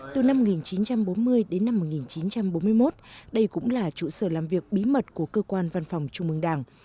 từ năm một nghìn chín trăm bốn mươi đến năm một nghìn chín trăm bốn mươi một đây cũng là trụ sở làm việc bí mật của cơ quan văn phòng trung mương đảng